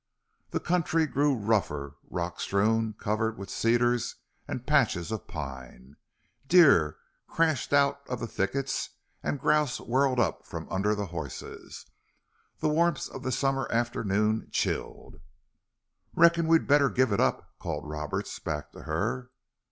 The country grew rougher, rock strewn, covered with cedars and patches of pine. Deer crashed out of the thickets and grouse whirred up from under the horses. The warmth of the summer afternoon chilled. "Reckon we'd better give it up," called Roberts back to her.